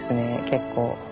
結構。